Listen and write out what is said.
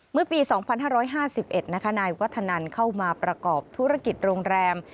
เมื่อปี๒๕๕๑นะคะนายวัฒนันเข้ามาประกอบธุรกิจโรงแรม